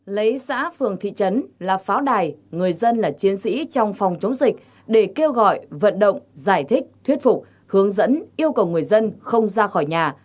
lấy xã phường thị trấn là pháo đài người dân là chiến sĩ trong phòng chống dịch để kêu gọi vận động giải thích thuyết phục hướng dẫn yêu cầu người dân không ra khỏi nhà